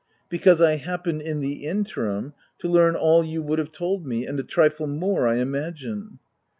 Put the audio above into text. * Because, I happened, in the interim, to learn all you would have told me, — and a trifle more I imagine."